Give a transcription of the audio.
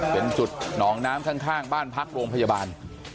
เป็นจุดหนองน้ำข้างบ้านพักโรงพยาบาล